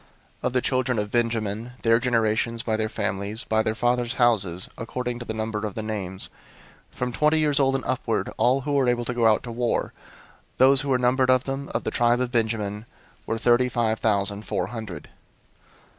001:036 Of the children of Benjamin, their generations, by their families, by their fathers' houses, according to the number of the names, from twenty years old and upward, all who were able to go out to war; 001:037 those who were numbered of them, of the tribe of Benjamin, were thirty five thousand four hundred.